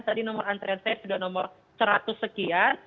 tadi nomor antrean saya sudah nomor seratus sekian